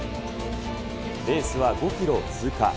レースは５キロを通過。